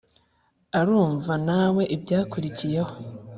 urumva nawe ibyakurikiyeho